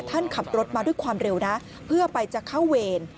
ท่านขับรถมาด้วยความเร็วนะเพื่อไปจะเข้าเวร